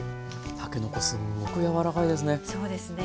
たけのこすっごく柔らかいですね。